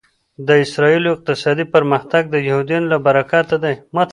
د اسرایلو اقتصادي پرمختګ د یهودیانو له برکته دی